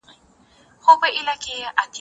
هغه د کابل د سردارانو پوښتنې او ګوتڅنډنې ومنلې.